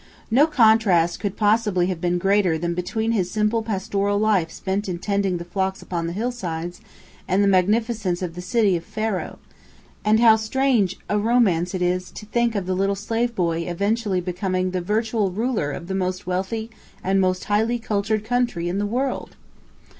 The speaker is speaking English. No contrast could possibly have been greater than between his simple pastoral life spent in tending the flocks upon the hillsides and the magnificence of the city of Pharaoh, and how strange a romance it is to think of the little slave boy eventually becoming the virtual ruler of the most wealthy and most highly cultured country in the world!